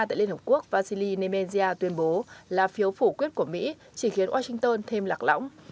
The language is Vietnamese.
tại liên hợp quốc vasili nemenia tuyên bố là phiếu phủ quyết của mỹ chỉ khiến washington thêm lạc lõng